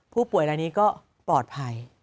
ผู้ป่วยรายนี้ก็ปลอดภัย